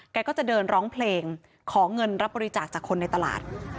ก็จะเดินร้องเพลงขอเงินรับบริจาคจากคนในตลาด